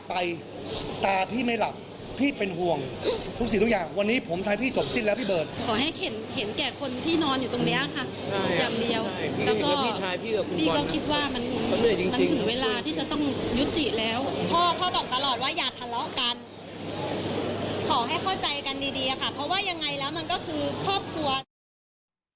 ขอให้เข้าใจกันดีดีอะค่ะเพราะว่ายังไงแล้วมันก็คือครอบครัวเรา